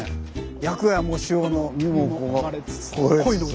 「焼くや藻塩の身もこがれつつ」。